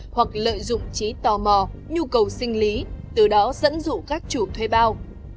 hoặc lợi dụng trí tò mò nhu cầu sinh lý từ đó dẫn dụ các chủ thuê bao